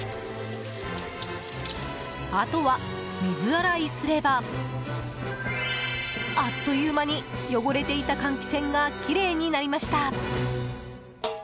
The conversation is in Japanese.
あとは水洗いすればあっという間に汚れていた換気扇がきれいになりました。